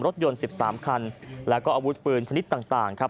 รถยนต์๑๓คันแล้วก็อาวุธปืนชนิดต่างครับ